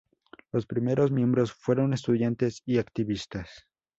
Los primeros miembros fueron estudiantes y activistas.